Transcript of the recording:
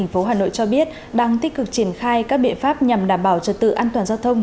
và các biện pháp nhằm đảm bảo trật tự an toàn giao thông